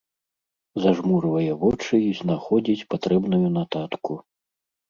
Зажмурвае вочы і знаходзіць патрэбную нататку.